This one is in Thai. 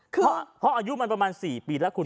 เพราะอายุมันประมาณ๔ปีแล้วคุณ